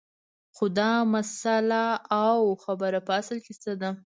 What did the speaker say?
خو دا مسله او خبره په اصل کې څه ده